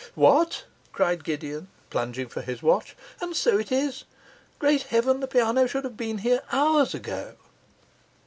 'What?' cried Gideon, plunging for his watch. 'And so it is! Great heaven, the piano should have been here hours ago!